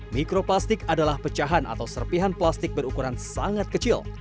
mikroplastik adalah pecahan atau serpihan plastik berukuran sangat kecil